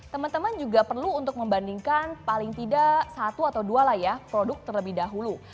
teman teman juga perlu untuk membandingkan paling tidak satu atau dua lah ya produk terlebih dahulu